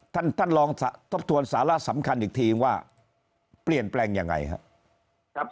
ท่านท่านลองทบทวนสาระสำคัญอีกทีว่าเปลี่ยนแปลงยังไงครับ